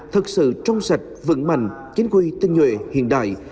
thật sự trong sạch vững mạnh chính quy tinh nhuệ hiện đại